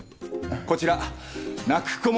こちら泣く子も黙る。